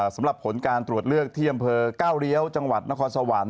สำหรับผลการตรวจเลือกที่อำเภอก้าวเลี้ยวจังหวัดนครสวรรค์